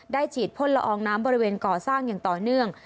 ฉีดพ่นละอองน้ำบริเวณก่อสร้างอย่างต่อเนื่อง